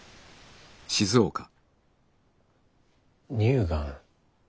乳がん？